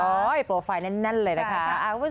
โห้ยปล่อยไปนี่นั่นเลยนะค่ะจ้าค่ะ